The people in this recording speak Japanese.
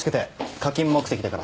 課金目的だから。